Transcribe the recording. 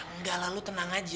seseorang terlalu kayak kamu tuh